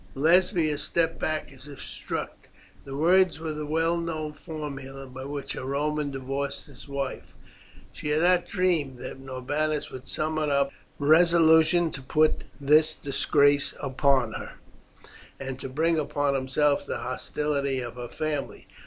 Lesbia stepped back as if struck. The words were the well known formula by which a Roman divorced his wife. She had not dreamed that Norbanus would summon up resolution to put this disgrace upon her, and to bring upon himself the hostility of her family.